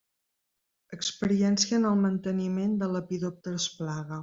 Experiència en el manteniment de Lepidòpters plaga.